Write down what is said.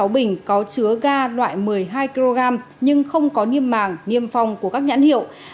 hai trăm bốn mươi sáu bình có chứa ga loại một mươi hai kg nhưng không có niêm mảng niêm phong của các nhãn hiệu